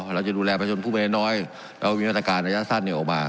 เราจะดูแลประชุมผู้แม่น้อยและวิวัตการณ์ระยะสั้นเนี่ยออกมา